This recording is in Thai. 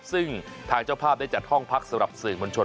ซึ่งทางเจ้าภาพได้จัดห้องพักสำหรับสื่อมวลชน